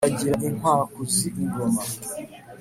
ibagira inkwakuzi ingoma.